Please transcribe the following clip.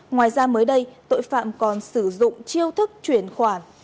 ngoài ra mới đây tội phạm còn sử dụng chiêu thức chuyển khoản